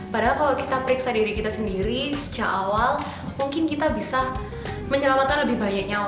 padahal kalau kita periksa diri kita sendiri sejak awal mungkin kita bisa menyelamatkan lebih banyak nyawa